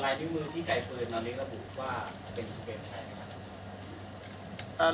อันนี้ระบุว่าเป็นเป็นใคร